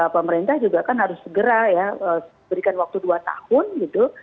pemerintah juga kan harus segera ya berikan waktu dua tahun gitu